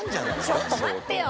ちょっと待ってよ！